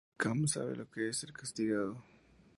Cam sabe lo que es ser castigado.